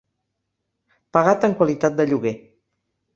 Pagat en qualitat de lloguer.